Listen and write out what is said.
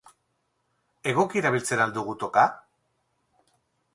Egoki erabiltzen al dugu toka?